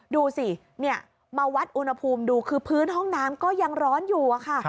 ดูสิมาวัดอุณหภูมิดูคือพื้นห้องน้ำก็ยังร้อนอยู่อะค่ะ